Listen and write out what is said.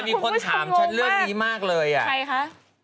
มีคนถามฉันเรื่องนี้มากเลยอ่ะใครคะ